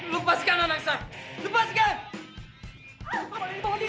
lepaskan anak saya lepaskan